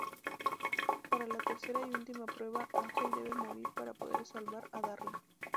Para la tercera y última prueba Ángel debe morir para poder salvar a Darla.